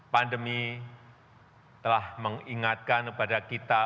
pandemi telah mengingatkan kepada kita